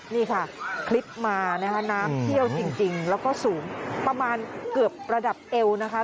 นี่ค่ะคลิปมานะคะน้ำเที่ยวจริงแล้วก็สูงประมาณเกือบระดับเอวนะคะ